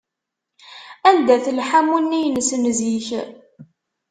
Anda-t lḥamu-nni-ines n zik?